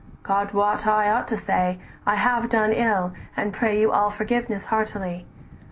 "God wot I ought to say, I have done ill, And pray you all forgiveness heartily!